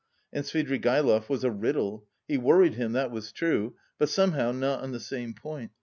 "And Svidrigaïlov was a riddle... He worried him, that was true, but somehow not on the same point.